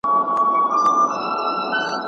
او په باریکیو یوازي باریک بین خلک پوهیږي.